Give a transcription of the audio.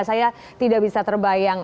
saya tidak bisa terbayang